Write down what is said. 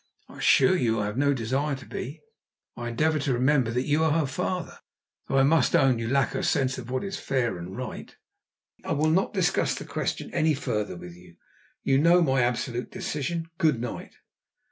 "I assure you I have no desire to be. I endeavour to remember that you are her father, though I must own you lack her sense of what is fair and right." "I will not discuss the question any further with you. You know my absolute decision. Good night!"